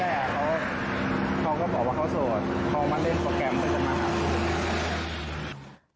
เขามาเล่นโปรแกรมไปจนมาครับ